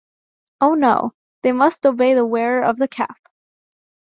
Oh, no; they must obey the wearer of the Cap.